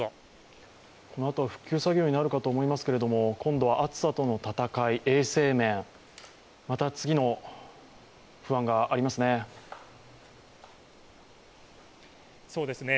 このあとは復旧作業になるかと思いますが、今度は暑さとの闘い衛生面、また次の不安がありますね